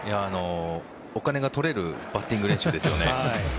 お金が取れるバッティング練習ですよね。